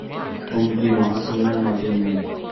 হুমকি মহাশূন্যের মাঝে নেই।